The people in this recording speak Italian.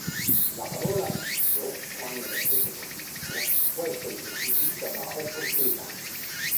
La parola "rischio", quando l'effetto è positivo, può essere sostituita da "opportunità".